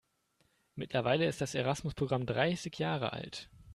Mittlerweile ist das Erasmus-Programm dreißig Jahre alt.